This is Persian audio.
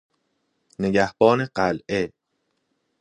نگهبان قلعه